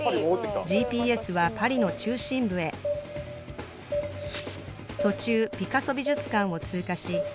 ＧＰＳはパリの中心部へ途中「ピカソ美術館」を通過し・